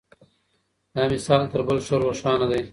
دا مثال تر بل ښه روښانه دی.